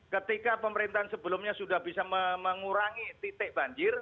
ketika pemerintahan sebelumnya sudah bisa mengurangi titik banjir